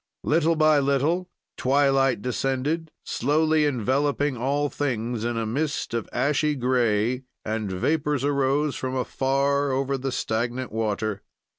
"Little by little twilight descended, slowly enveloping all things in a mist of ashy gray, and vapors arose from afar over the stagnant water.